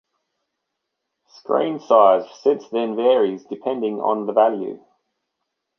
Screen size since then varies depending on the venue.